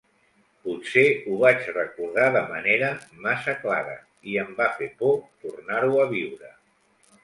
Potser ho vaig recordar de manera massa clara i em va fer por tornar-ho a viure.